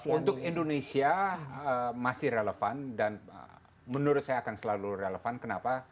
untuk indonesia masih relevan dan menurut saya akan selalu relevan kenapa